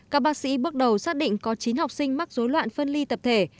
các bác sĩ bước đầu xác định có chín học sinh mắc dối loạn phân ly tập thể